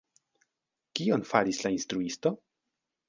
Kion faris la instruisto?